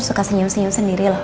suka senyum senyum sendiri loh